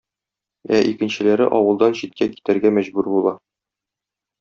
Ә икенчеләре авылдан читкә китәргә мәҗбүр була.